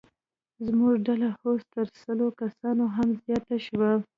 زموږ ډله اوس تر سلو کسانو هم زیاته شوه.